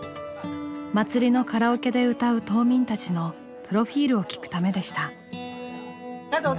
祭りのカラオケで歌う島民たちのプロフィールを聞くためでした。